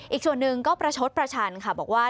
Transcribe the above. อีกส่วนหนึ่งก็ประชดประชันค่ะบอกว่า